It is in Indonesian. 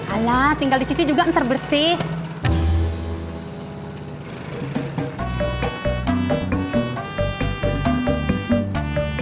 alah tinggal di cuci juga ntar bersih